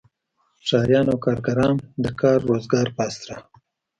ښاریان او کارګران د کار روزګار په اسره.